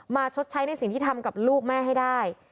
ชดใช้ในสิ่งที่ทำกับลูกแม่ให้ได้